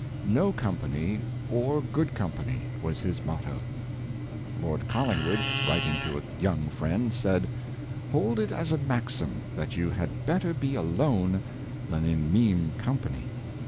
*' No company, or good company," was his motto* Lord Collingwood, writing to a young friend, said, 38 594 Perso7ial hifiiience. " Hold it as a maxim, that you had better be alone than in mean company.